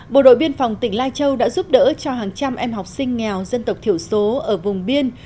bộ đội biên phòng tỉnh lai châu đã giúp đỡ cho hàng trăm em học sinh nghèo dân tộc thiểu số ở vùng biên